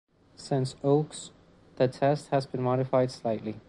Since "Oakes", the test has been modified slightly.